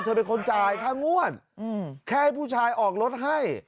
เธอเป็นคนจ่ายค่างวดแค่ให้ผู้ชายออกรถให้